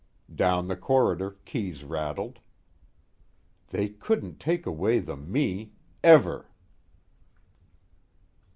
_ Down the corridor, keys rattled. _They couldn't take away the Me. Ever.